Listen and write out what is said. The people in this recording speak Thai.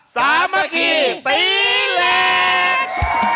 สามัคคีตีเหล็ก